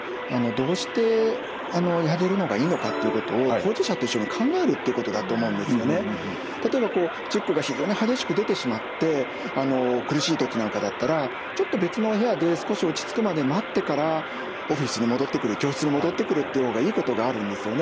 どうしてあげるのがいいのかっていうことを例えばこうチックが非常に激しく出てしまって苦しい時なんかだったらちょっと別の部屋で少し落ち着くまで待ってからオフィスに戻ってくる教室に戻ってくるっていう方がいいことがあるんですよね。